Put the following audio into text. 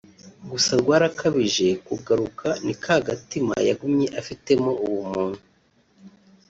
gusa Rwarakabije kugaruka ni ka gatima yagumye afitemo ubumuntu